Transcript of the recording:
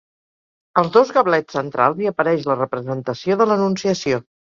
Als dos gablets centrals hi apareix la representació de l'Anunciació.